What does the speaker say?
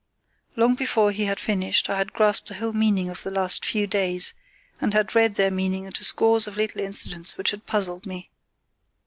Long before he had finished I had grasped the whole meaning of the last few days, and had read their meaning into scores of little incidents which had puzzled me.